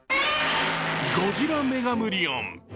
ゴジラメガムリオン。